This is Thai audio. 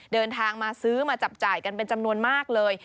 เดินทางมาซื้อมาจับจ่ายกันเป็นจำนวนมากเลย